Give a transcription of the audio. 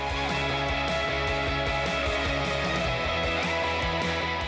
kepala kepala kepala